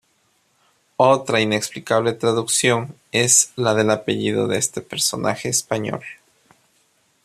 Otra inexplicable traducción es la del apellido de este personaje español.